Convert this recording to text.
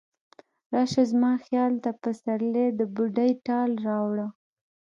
راشه زما خیال ته، پسرلی د بوډۍ ټال راوړه